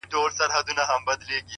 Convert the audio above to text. ماته مي قسمت له خپلي ژبي اور لیکلی دی؛